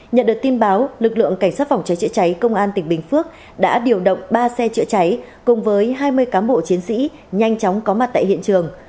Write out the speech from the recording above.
nhận được tin báo lực lượng cảnh sát phòng cháy chữa cháy công an tỉnh bình phước đã điều động ba xe chữa cháy cùng với hai mươi cán bộ chiến sĩ nhanh chóng có mặt tại hiện trường